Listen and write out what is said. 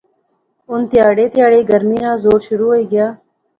ہُن تیہڑے تیہڑے گرمی نا زور شروع ہوئی غیا